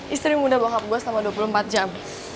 istri muda bokap gue selama dua puluh empat jam